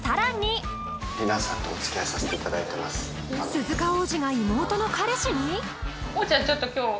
鈴鹿央士が妹の彼氏に？